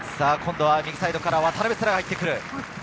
今度は右サイドから渡邊星来が入ってくる。